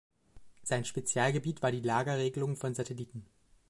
Sein Spezialgebiet war die Lageregelung von Satelliten.